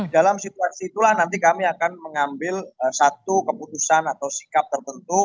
dalam situasi itulah nanti kami akan mengambil satu keputusan atau sikap tertentu